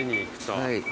はい。